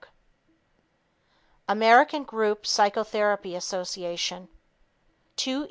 American Group Psychotherapy Association 2 E.